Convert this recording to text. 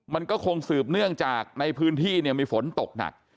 มันก็คงสืบเนื่องจากในพื้นที่เนี่ยมีฝนตกหนัก